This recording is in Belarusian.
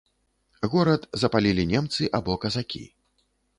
Горад запалілі немцы або казакі.